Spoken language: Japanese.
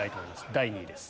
第２位です。